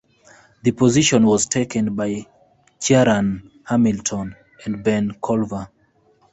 The position was taken by Ciaran Hamilton and Ben Collver.